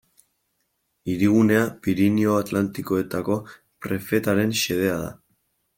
Hirigunea Pirinio Atlantikoetako prefetaren xedea da.